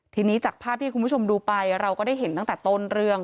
ทีนี้จากภาพที่คุณผู้ชมดูไปเราก็ได้เห็นตั้งแต่ต้นเรื่อง